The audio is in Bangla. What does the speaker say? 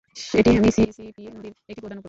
এটি মিসিসিপি নদীর একটি প্রধান উপনদী।